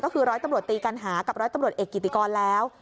ก็คือร้อยตำรวจตีกัณหากับร้อยตำรวจเอกกิติกรแล้ว